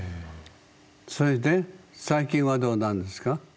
それで最近はどうなんですか？